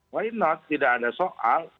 why not tidak ada soal